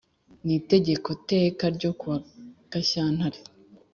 n Itegeko Teka ryo kuwa Gashyantare